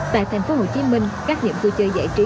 tại tp hcm các nhiệm vui chơi giải trí